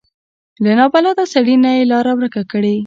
له نابلده سړي نه یې لاره ورکه کړي.